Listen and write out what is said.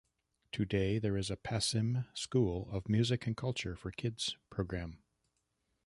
Today there is a Passim School of Music and Culture for Kids program.